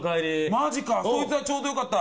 マジかそいつはちょうどよかった。